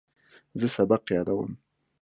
زه سبق یادوم.